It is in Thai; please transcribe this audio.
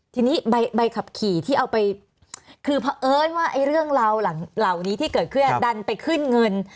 ทีนี้ใบขับขี่ที่เอาไปคือเพราะเอิญว่าไอ้เรื่องราวเหล่านี้ที่เกิดขึ้นดันไปขึ้นเงิน